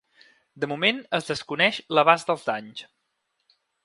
De moment es desconeix l’abast dels danys.